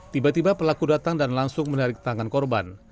tiba tiba pelaku datang dan langsung menarik tangan korban